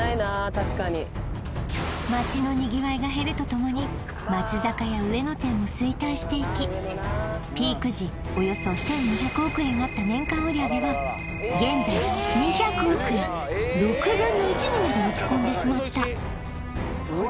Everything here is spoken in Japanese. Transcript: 確かに街のにぎわいが減るとともに松坂屋上野店も衰退していきピーク時およそ１２００億円あった年間売上は現在２００億円６分の１にまで落ち込んでしまったうわ